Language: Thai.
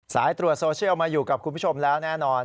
สายตรวจโซเชียลมาอยู่กับคุณผู้ชมแล้วแน่นอน